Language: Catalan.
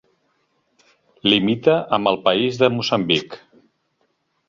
Limita amb el país de Moçambic.